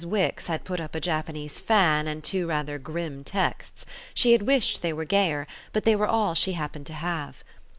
Wix had put up a Japanese fan and two rather grim texts; she had wished they were gayer, but they were all she happened to have.